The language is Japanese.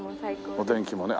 お天気もね。